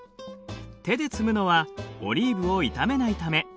手で摘むのはオリーブを傷めないため。